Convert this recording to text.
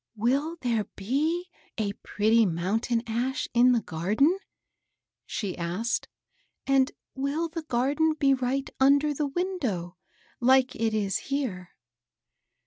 "Will there be a pretty mountain ash in the garden ?" she asked ;" and will the garden be right under the window, like it is here